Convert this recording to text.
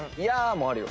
もあるよ。